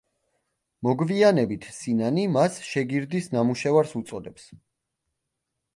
მოგვიანებით სინანი მას „შეგირდის ნამუშევარს“ უწოდებს.